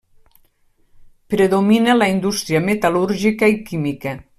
Predomina la indústria metal·lúrgica i química.